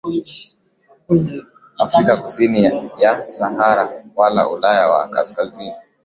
Afrika kusini ya Sahara wala Ulaya ya Kaskazini